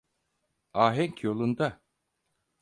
Ahenk yolunda.